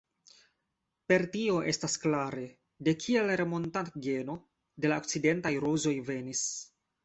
Per tio estas klare, de kie la Remontant-geno de la okcidentaj rozoj venis.